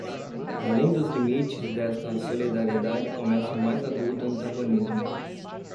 além dos limites desta solidariedade começava o mais agudo antagonismo